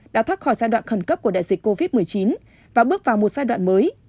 đã thoát khỏi giai đoạn khẩn cấp của đại dịch covid một mươi chín và bước vào một giai đoạn mới